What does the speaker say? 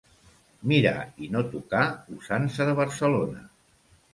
Mirar i no tocar, usança de Barcelona.